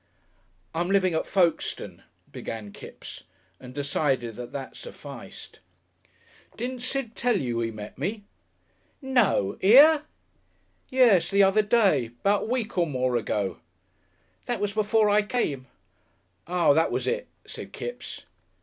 "I'm living at Folkestone," began Kipps and decided that that sufficed. "Didn't Sid tell you he met me?" "No! Here?" "Yes. The other day. 'Bout a week or more ago." "That was before I came." "Ah! that was it," said Kipps.